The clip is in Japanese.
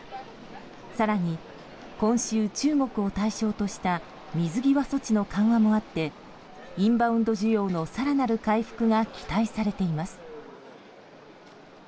更に今週、中国を対象とした水際措置の緩和もあってインバウンド需要の更なる回復が期待されています。